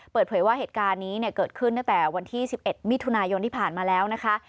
เปิดเผยว่าเหตุการณ์นี้เกิดขึ้นตั้งแต่วันที่๑๑มิถุนายนที่ผ่านมาแล้วนะคะ